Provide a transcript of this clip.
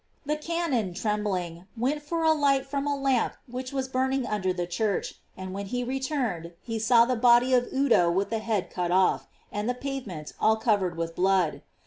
The canon, trembling, went fo* a light from a lamp which was burning under the church; and when he returned, saw the body of Udo with the head cut off, and the pavement all covered with blood.